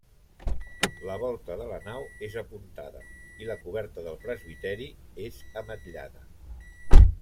La volta de la nau és apuntada, i la coberta del presbiteri és ametllada.